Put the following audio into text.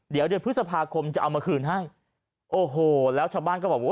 เดี๋ยวเดือนพฤษภาคมจะเอามาคืนให้โอ้โหแล้วชาวบ้านก็บอกว่า